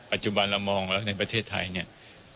ปัจจุบันเรามองแล้วในประเทศไทยเนี่ย